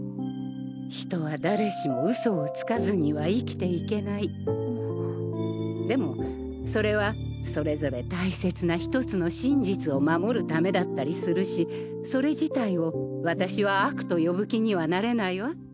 人は誰しもうそをつかずにあっでもそれはそれぞれ大切な１つの真実を守るためだったりするしそれ自体を私は悪と呼ぶ気にはなれないわ